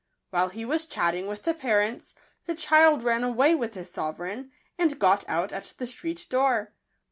While he was chatting with the parents, the child ran away with his sovereign, and got out at the street door.